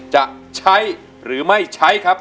จะใช้หรือไม่ใช้ครับ